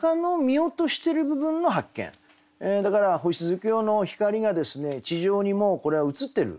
だから星月夜の光がですね地上にもこれはうつってる。